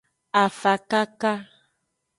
Afakaka.